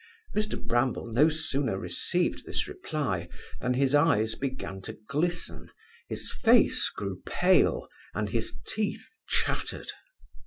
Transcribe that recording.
Mr Bramble no sooner received this reply, than his eyes began to glisten, his face grew pale, and his teeth chattered.